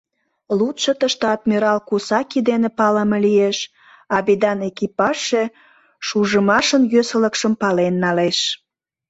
Лудшо тыште адмирал Кусаки дене палыме лиеш, а «Бедан» экипажше шужымашын йӧсылыкшым пален налеш